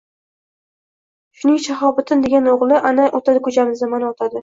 Shuning Shahobiddin degan oʼgʼli ana oʼtadi koʼchamizdan, mana oʼtadi.